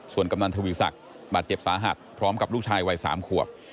ส่วนกำนันทวีศักดิ์บาดเจ็บสาหัสพร้อมกับลูกชายวัย๓ขวบ